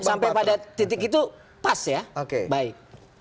sampai pada titik itu pas ya baik